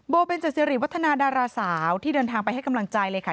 เบนเจสิริวัฒนาดาราสาวที่เดินทางไปให้กำลังใจเลยค่ะ